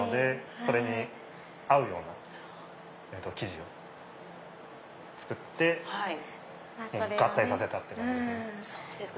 それに合うような生地を作って合体させたって感じですね。